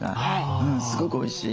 うんすごくおいしい。